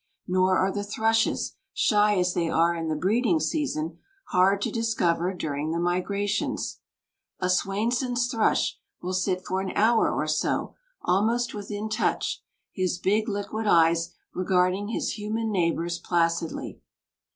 Nor are the thrushes, shy as they are in the breeding season, hard to discover during the migrations. A Swainson's thrush will sit for an hour or so, almost within touch, his big liquid eyes regarding his human neighbors placidly.